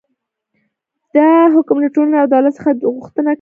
دا حکم له ټولنې او دولت څخه غوښتنه کوي.